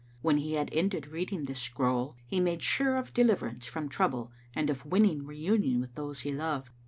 When he had ended reading this scroll, he made sure of deliverance from trouble and of winning reunion with those he loved.